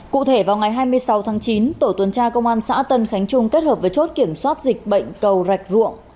cụ thể vào ngày hai mươi sáu tháng chín tổ tuần tra công an xã tân khánh trung kết hợp với chốt kiểm soát dịch bệnh cầu rạch ruộng